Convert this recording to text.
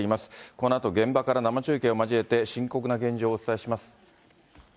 このあと現場から生中継を交えて、深刻な現状をお伝えします。